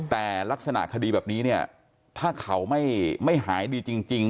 แต่ลักษณะคดีแบบนี้เนี่ยถ้าเขาไม่หายดีจริง